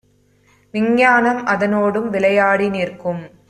விஞ்ஞானம் அதனோடும் விளையாடி நிற்கும் ;